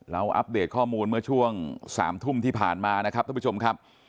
อัปเดตข้อมูลเมื่อช่วง๓ทุ่มที่ผ่านมานะครับท่านผู้ชมครับ